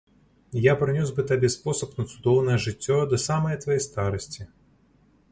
Я прынёс бы табе спосаб на цудоўнае жыццё да самай твае старасці.